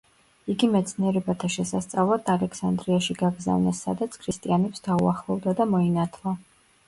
იგი მეცნიერებათა შესასწავლად ალექსანდრიაში გაგზავნეს, სადაც ქრისტიანებს დაუახლოვდა და მოინათლა.